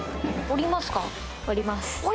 降ります！